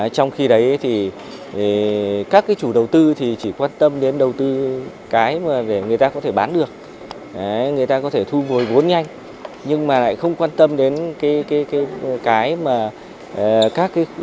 trong khi đấy thì các cái chủ đầu tư thì chỉ quan tâm đến đầu tư cái mà để người ta có thể bán được người ta có thể thu hồi vốn nhanh nhưng mà lại không quan tâm đến cái mà các cái